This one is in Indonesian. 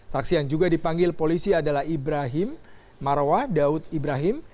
saksi yang juga dipanggil polisi adalah ibrahim marwah daud ibrahim